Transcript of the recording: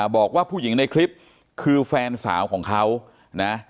บอกว่าผู้หญิงในคลิปคือแฟนสาวของเขานะ